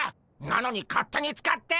なのに勝手に使って！